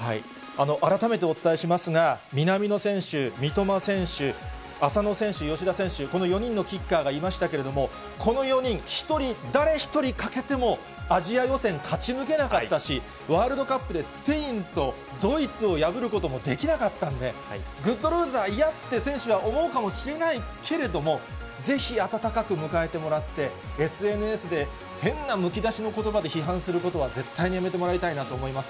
改めてお伝えしますが、南野選手、三笘選手、浅野選手、吉田選手、この４人のキッカーがいましたけれども、この４人、誰一人欠けても、アジア予選、勝ち抜けなかったし、ワールドカップでスペインとドイツを破ることもできなかったんで、グッドルーザーいやって、選手は思うかもしれないけれども、ぜひ、温かく迎えてもらって、ＳＮＳで変なむき出しのことばで批判することは絶対にやめてもらいたいなと思います。